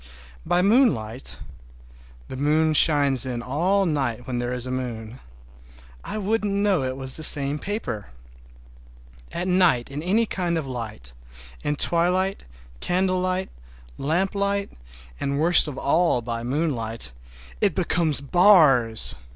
By moonlight—the moon shines in all night when there is a moon—I wouldn't know it was the same paper. At night in any kind of light, in twilight, candlelight, lamplight, and worst of all by moonlight, it becomes bars!